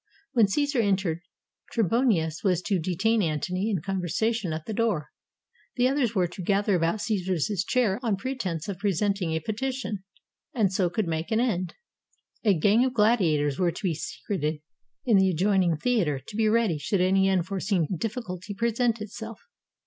When Caesar entered, Trebonius was to detain Antony in conversation at the door. The others were to gather about Caesar's chair on pretense of presenting a petition, and so could make an end. A 376 THE ASSASSINATION OF JULIUS C^SAR gang of gladiators were to be secreted in the adjoining theater to be ready should any unforeseen difficulty present itself.